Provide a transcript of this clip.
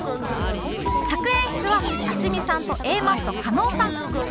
作・演出は蓮見さんと Ａ マッソ加納さん